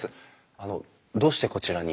あのどうしてこちらに？